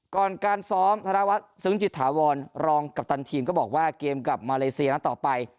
ก่อนการซ้อมธนวัฒน์ซึ้งจิตถาวรรองกัปตันทีมก็บอกว่าเกมกับมาเลเซียนัดต่อไป